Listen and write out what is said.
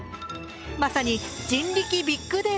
まさに人力ビッグデータ。